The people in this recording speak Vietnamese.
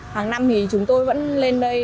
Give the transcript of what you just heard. hàng năm chúng tôi vẫn lên đây